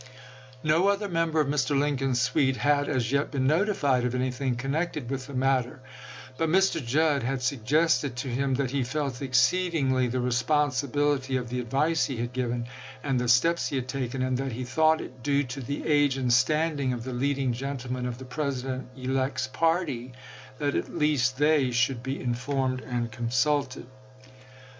No other member of Mr. Lincoln's suite had as yet been notified of anything connected with the matter ; but Mr. Judd had suggested to him that he felt exceedingly the responsibility of the advice he had given and the steps he had taken, and that he thought it due to the age and standing of the lead ing gentlemen of the President elect's party that at least thev should be informed and consulted.